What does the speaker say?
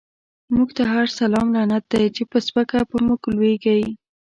موږ ته هر سلام لعنت دی، چی په سپکه په موږ لويږی